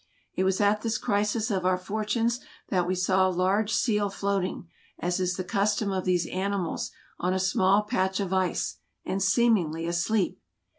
It was at this crisis of our fortunes that we saw a large seal floating — as is the custom of these animals — on a small patch of ice, and seemingly asleep.